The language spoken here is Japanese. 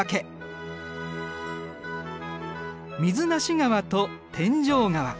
水無川と天井川。